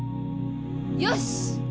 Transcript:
よし！